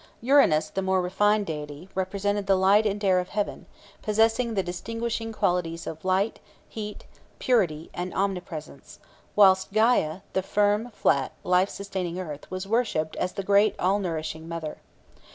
Uranus, the more refined deity, represented the light and air of heaven, possessing the distinguishing qualities of light, heat, purity, and omnipresence, whilst Gæa, the firm, flat, life sustaining earth, was worshipped as the great all nourishing mother.